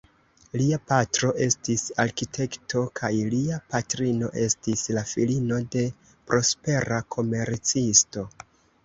Lia patro estis arkitekto kaj lia patrino estis la filino de prospera komercisto.